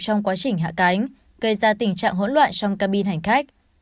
trong quá trình hạ cánh gây ra tình trạng hỗn loạn trong cabin hành khách